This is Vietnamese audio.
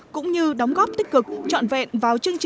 cũng như đóng góp tích cực trọn vẹn vào chương trình